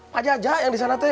pak jajak yang disana tuh